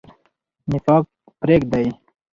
نفاق پریږدئ.